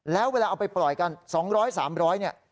แล้วเวลาเอาไปปล่อยกัน๒๐๐๓๐๐เนี่ย